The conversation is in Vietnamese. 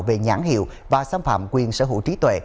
về nhãn hiệu và xâm phạm quyền sở hữu trí tuệ